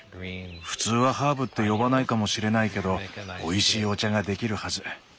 普通はハーブって呼ばないかもしれないけどおいしいお茶が出来るはず。